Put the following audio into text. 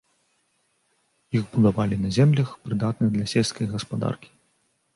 Іх будавалі на землях, прыдатных для сельскай гаспадаркі.